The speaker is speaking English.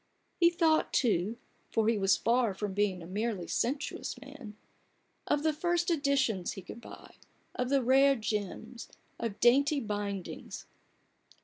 He thought, too, for he was far from being a merely sensuous man, of the first editions he could buy, of the rare gems, of dainty bindings.